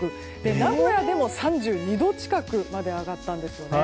名古屋でも３２度近くまで上がったんですね。